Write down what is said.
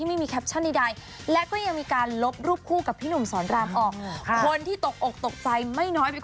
ไม่ถึงไอจีของพี่หนุ่มซ้อนรามเลยทีเดียว